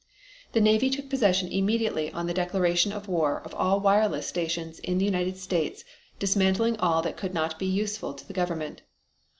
The Navy took possession immediately on the declaration of war of all wireless stations in the United States dismantling all that could not be useful to the government.